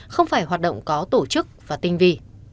không phải hoạt động có tổ chức và tinh vi